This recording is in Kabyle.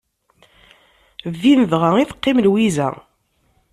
Din dɣa i teqqim Lwiza.